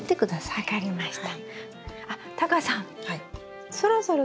はい分かりました。